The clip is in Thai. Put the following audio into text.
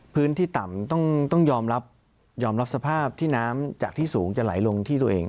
พื้นที่ต่ำต้องยอมรับยอมรับสภาพที่น้ำจากที่สูงจะไหลลงที่ตัวเอง